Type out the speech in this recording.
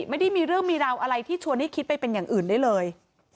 ไม่ได้มีเรื่องมีราวอะไรที่ชวนให้คิดไปเป็นอย่างอื่นได้เลย